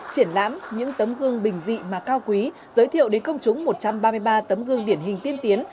triển lãm những tấm gương bình dị mà cao quý giới thiệu đến công chúng một trăm ba mươi ba tấm gương điển hình tiên tiến